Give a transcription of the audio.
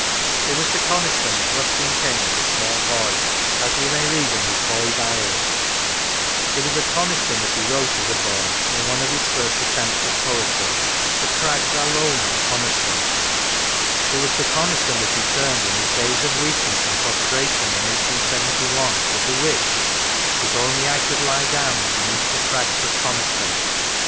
It was to Coniston that Ruskin came as a small boy, as we may read in his boy diary; it was of Coniston that he wrote, as a boy, in one of his first attempts at poetry :" The crags are lone on Coniston "; it was to Coniston that he turned in his days of weak ness and prostration in 1871, with the wish: " If only I could lie down beneath the crags of Coniston